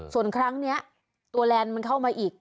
ส่วนครั้งนี้ตัวแลนด์มันเข้ามาอีก